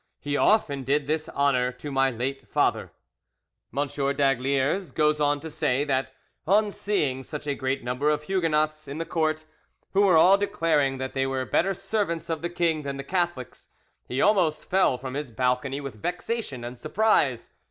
He often did this honour to my late father." M. d'Aygaliers goes on to say that "on seeing such a great number of Huguenots in the court who were all declaring that they were better servants of the king than the Catholics, he almost fell from his balcony with vexation and surprise.